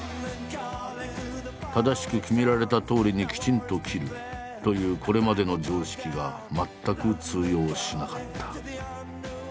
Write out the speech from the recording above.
「正しく決められたとおりにきちんと切る」というこれまでの常識が全く通用しなかった。